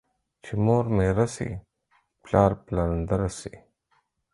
چي مور ميره سي ، پلار پلندر سي.